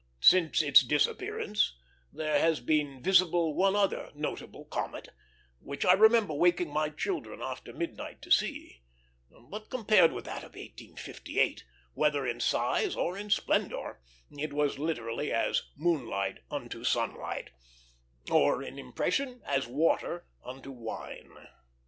Since its disappearance there has been visible one other notable comet, which I remember waking my children after midnight to see; but compared with that of 1858, whether in size or in splendor, it was literally as moonlight unto sunlight, or, in impression, as water unto wine.